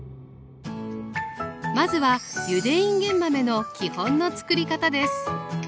まずはゆでいんげん豆の基本のつくり方です。